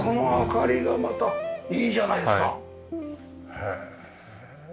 へえ。